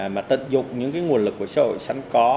mà tận dụng những nguồn lực của xã hội sẵn có